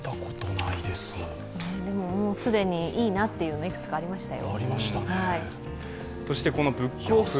もう既にいいなというのが、いくつかありましたよ。